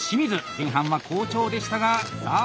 前半は好調でしたがさあ